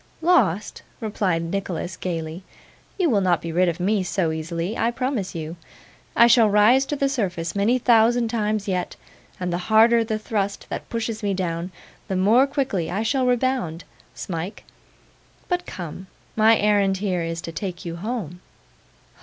'Lost!' replied Nicholas gaily. 'You will not be rid of me so easily, I promise you. I shall rise to the surface many thousand times yet, and the harder the thrust that pushes me down, the more quickly I shall rebound, Smike. But come; my errand here is to take you home.